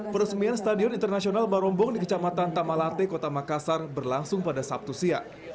peresmian stadion internasional barombong di kecamatan tamalate kota makassar berlangsung pada sabtu siang